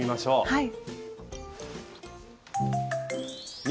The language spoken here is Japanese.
はい。